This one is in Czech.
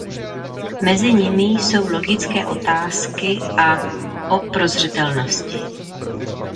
Mezi nimi jsou "Logické otázky" a "O prozřetelnosti".